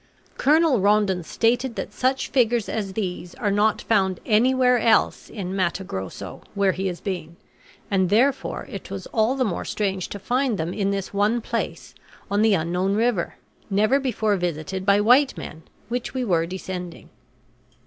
Colonel Rondon stated that such figures as these are not found anywhere else in Matto Grosso where he has been, and therefore it was all the more strange to find them in this one place on the unknown river, never before visited by white men, which we were descending.